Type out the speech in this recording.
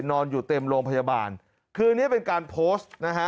นอนอยู่เต็มโรงพยาบาลคืออันนี้เป็นการโพสต์นะฮะ